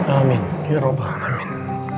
amin ya rabbah amin